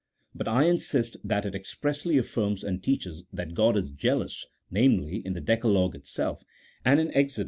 But I insist that it expressly affirms and teaches that God is jealous (namely, in the decalogue itself, and in Exod.